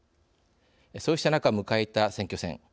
そうした中、迎えた選挙戦。